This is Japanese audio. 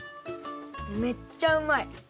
めっちゃうまい！